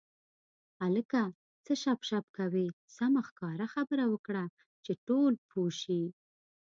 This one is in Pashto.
هلکه څه شپ شپ کوې سمه ښکاره خبره وکړه چې ټول پوه شي.